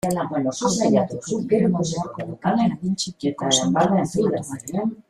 Automatikoki eraman beharko lukete adin txikiko zentro tutelatu batera.